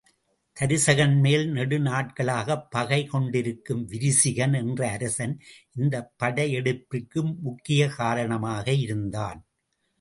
தருசகன்மேல் நெடுநாட்களாகப் பகை கொண்டிருக்கும் விரிசிகன் என்ற அரசன் இந்தப் படையெடுப்பிற்கு முக்கியக் காரணமாக இருந்தான்.